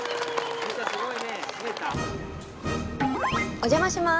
お邪魔します！